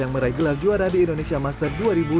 yang meraih gelar juara di indonesia master dua ribu dua puluh